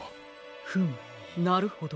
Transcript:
フムなるほど。